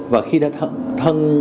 và khi đã thân